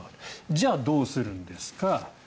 じゃあどうするんですか。